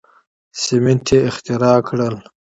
سیمنټ یې اختراع کړل.